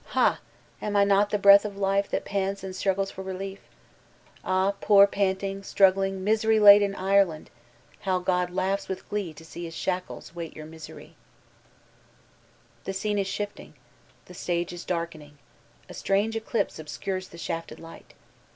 Haf Am I not die breath of Hfe dial pants and struggles for reliefr 59^ VOLTAISINB DE ClEYSB Ah, poor, panting, struggling, miseiy ladai Irdandf How God laughs with glee to see his sbaddet wdfjbt your misery I The scene is shifting, the stage is darkening— • ntnngt eclipse obscures the shafted light!